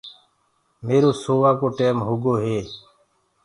ميرو سووآ ڪو ٽيم هوگو هي